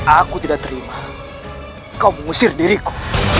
aku tidak terima kau mengusir diriku